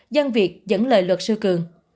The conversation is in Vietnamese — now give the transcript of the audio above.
dân việt dẫn lời luật sư cường